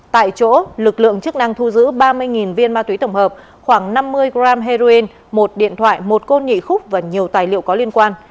tại chỗ lực lượng chức năng thu giữ ba mươi viên ma túy tổng hợp khoảng năm mươi g heroin một điện thoại một côn nhị khúc và nhiều tài liệu có liên quan